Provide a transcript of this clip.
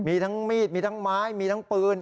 มีทั้งมีดมีทั้งไม้มีทั้งปืน